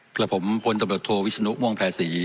กลับผมพลตโทวิชนุม่วงแผลศรี